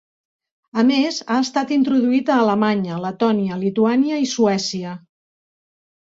A més, ha estat introduït a Alemanya, Letònia, Lituània i Suècia.